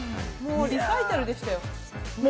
リサイタルでしたよ。